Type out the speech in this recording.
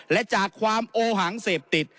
และจากความโอหังเสพติด